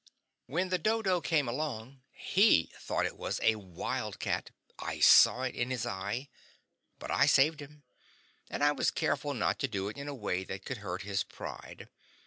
When the dodo came along he thought it was a wildcat I saw it in his eye. But I saved him. And I was careful not to do it in a way that could hurt his pride.